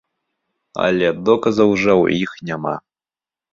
Але доказаў жа ў іх няма.